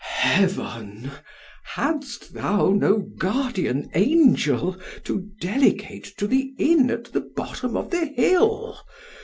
Heaven! hadst thou no guardian angel to delegate to the inn at the bottom of the hill?